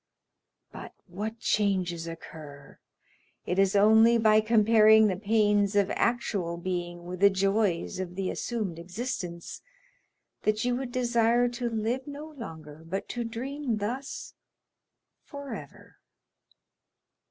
But what changes occur! It is only by comparing the pains of actual being with the joys of the assumed existence, that you would desire to live no longer, but to dream thus forever.